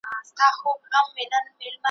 لا ښكارېږي جنايت او فسادونه `